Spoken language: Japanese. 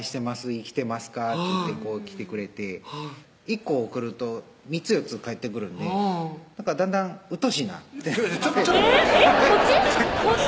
「生きてますか？」っていって来てくれて１個送ると３つ・４つ返ってくるんでだんだんうっとうしいなってちょっちょっとそっち？